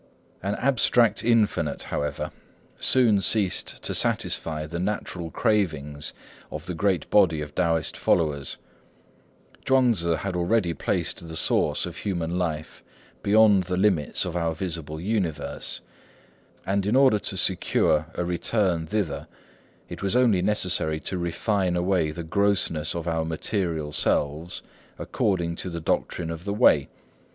An abstract Infinite, however, soon ceased to satisfy the natural cravings of the great body of Taoist followers. Chuang Tzŭ had already placed the source of human life beyond the limits of our visible universe; and in order to secure a return thither, it was only necessary to refine away the grossness of our material selves according to the doctrine of the Way.